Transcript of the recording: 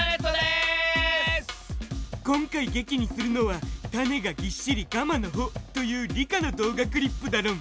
今回劇にするのは「種がぎっしりガマの穂」という理科の動画クリップだろん！